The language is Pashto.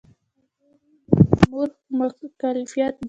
حاضري د مامور مکلفیت دی